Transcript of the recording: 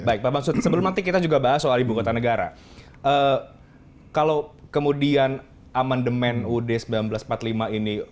baik pak bamsud sebelum nanti kita juga bahas soal ibu kota negara kalau kemudian amendement ud seribu sembilan ratus empat puluh lima ini